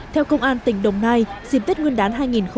theo công an tỉnh đồng nai dìm tết nguyên đán hai nghìn hai mươi